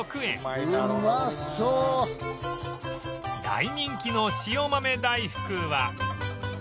大人気の塩豆大福は